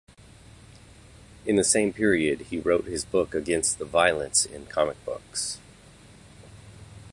In the same period he wrote his book against the violence in comic books.